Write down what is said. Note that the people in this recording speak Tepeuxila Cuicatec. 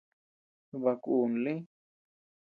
Baʼa kun lï.